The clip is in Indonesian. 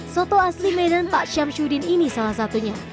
soto asli medan pak syamsuddin ini salah satunya